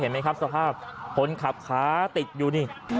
ไหมครับสภาพคนขับขาติดอยู่นี่